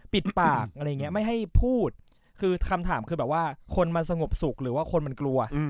ปิดปากอะไรอย่างนี้ไม่ให้พูดคือคำถามคือแบบว่าคนมันสงบสุขหรือว่าคนมันกลัว